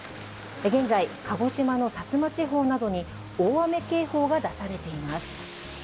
現在、鹿児島の薩摩地方などに大雨警報が出されています。